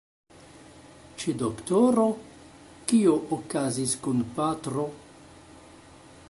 Ĉe doktoro? Kio okazis kun patro?